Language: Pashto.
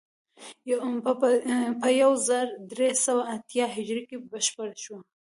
په یو زر درې سوه اتیا هجري کې بشپړ شوی.